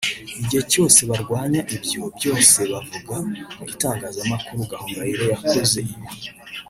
igihe cyose barwanya ibyo byose bavuga mu itangazamakuru gahongayire yakoze ibi